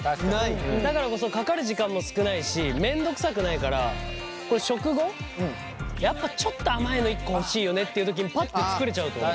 だからこそかかる時間も少ないし面倒くさくないからこれ食後やっぱちょっと甘いの１個欲しいよねっていう時にパッて作れちゃうと思う。